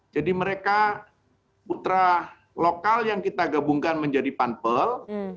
jadi mereka putra lokal yang kita gabungkan menjadi panpel